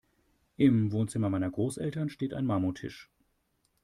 Im Wohnzimmer meiner Großeltern steht ein Marmortisch.